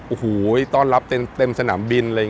โอ้โหต้อนรับเต็มสนามบินเลย